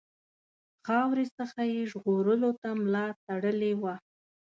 خاورې څخه یې ژغورلو ته ملا تړلې وه.